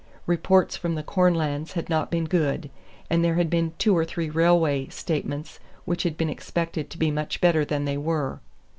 Reports from the corn lands had not been good, and there had been two or three railway statements which had been expected to be much better than they were.